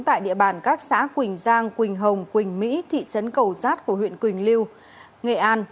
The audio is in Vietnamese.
tại địa bàn các xã quỳnh giang quỳnh hồng quỳnh mỹ thị trấn cầu giát của huyện quỳnh lưu nghệ an